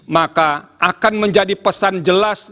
maka akan menjadi pesan jelas